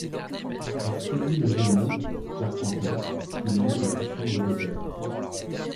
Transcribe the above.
Il séduit le jeune homme, Carpenter, qui l'amène à sa chambre d'hôtel.